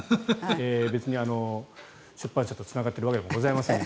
別に出版社とつながってるわけでもございません。